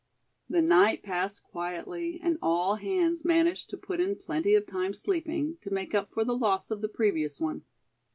The night passed quietly, and all hands managed to put in plenty of time sleeping, to make up for the loss of the previous one.